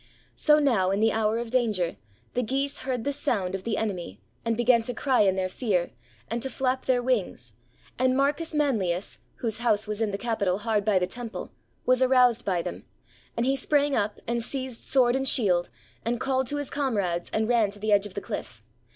So now in the hour of danger, the geese heard the sound of the enemy, and began to cry in their fear, and to flap their wings; and Marcus Manlius, whose house was in the capitol hard by the temple, was aroused by them; and he sprang up and seized sword and shield, and called to his comrades, and ran to the edge of the cliff.